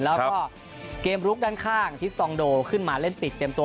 แล้วก็เกมลุกด้านข้างทิสตองโดขึ้นมาเล่นติดเต็มตัว